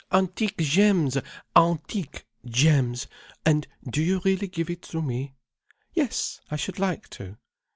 —antique gems, antique gems—! And do you really give it to me?" "Yes, I should like to."